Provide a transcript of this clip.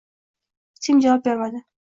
Hech kim javob bermadi